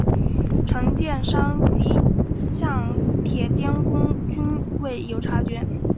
承建商及港铁监工均未有察觉。